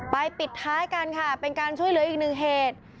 ปิดท้ายกันค่ะเป็นการช่วยเหลืออีกหนึ่งเหตุ